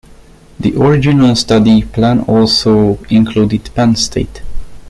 The original study plan also included Penn State.